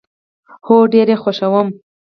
هو، ډیر یي خوښوم